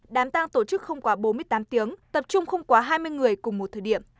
đám tăng tổ chức không quá bốn mươi tám tiếng tập trung không quá hai mươi người cùng một thời điểm